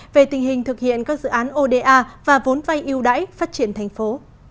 về tình hình thực hiện các dự án oda và vốn vay ưu đãi phát triển thành phố